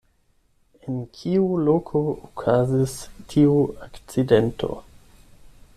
En kiu loko okazis tiu akcidento?